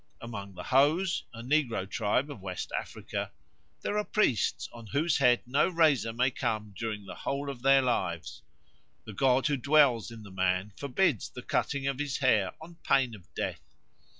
Among the Hos, a negro tribe of West Africa, "there are priests on whose head no razor may come during the whole of their lives. The god who dwells in the man forbids the cutting of his hair on pain of death.